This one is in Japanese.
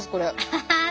ハハハ！